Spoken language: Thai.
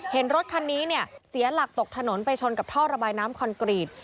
เห็นรถคันนี้เนี่ยเสียหลักตกถนนไปชนกับท่อระบายน้ำคอนกรีต